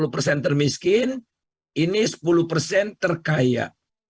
sepuluh persen termiskin ini sepuluh persen terkaya